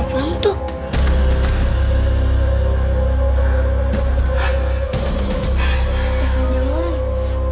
suara apaan tuh